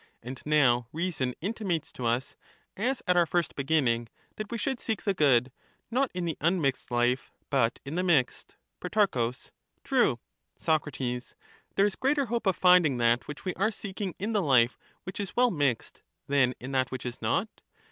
And now reason intimates to us, as at our first begin Reason ning, that we should seek the good, not in the unmixed life |^^'^^ but in the mixed. should look Pro. True. foritinthe Soc. There is greater hope of finding that which we are 0"^ seeking in the life which is well mixed than in that which is not